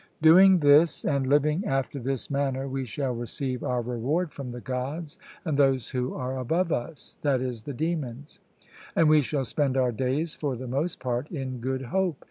Doing this, and living after this manner, we shall receive our reward from the Gods and those who are above us (i.e. the demons); and we shall spend our days for the most part in good hope.